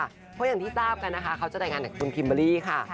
เพราะอย่างที่ทราบกันนะคะเขาจะรายงานกับคุณคิมเบอร์รี่ค่ะ